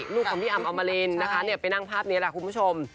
ลูกของพี่อำอมรินนะคะไปนั่งภาพนี้แหละคุณผู้ชม